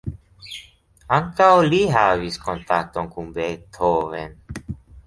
Ankaŭ li havis kontakton kun Beethoven.